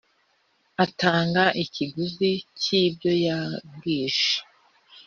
atanga ikiguzi cy’ibyo yangije